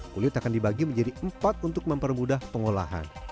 kulit akan dibagi menjadi empat untuk mempermudah pengolahan